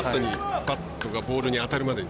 バットがボールに当たるまでに。